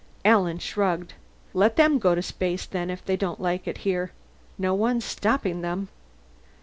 Alan shrugged. "Let them go to space, then, if they don't like it here. No one's stopping them."